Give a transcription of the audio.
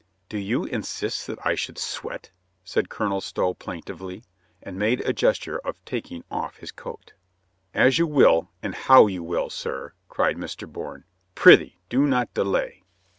"Do you insist that I should sweat?" said Colonel Stow plaintively, and made a gesture of taking off his coat "As you will and how you will, sir," cried Mr. Bourne. "Prithee, do not delay."